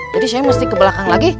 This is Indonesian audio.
jadi saya mesti ke belakang lagi